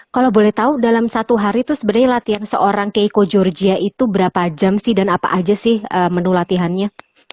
kalau boleh tahu dalam satu hari itu sebenarnya latihan seorang keiko georgia itu berapa jam sih dan apa aja sih menu latihannya